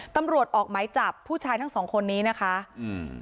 ตำรวจออกหมายจับผู้ชายทั้งสองคนนี้นะคะอืม